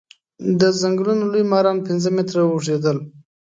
د ځنګلونو لوی ماران پنځه متره اوږديدل.